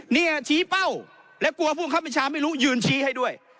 นี่ชี้เป้าและกลัวพวกบัญชายืนชี้ให้ด้วย